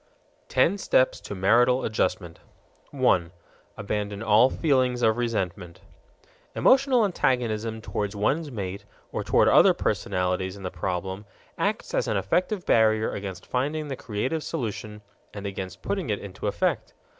Ten Steps To Marital Adjustment 1. Abandon all feelings of resentment. Emotional antagonism toward one's mate, or toward other personalities in the problem, acts as an effective barrier against finding the creative solution and against putting it into effect.